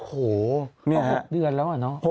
โอ้โฮเห้อ๖เดือนแล้วหรือเปล่าเหรอน้อง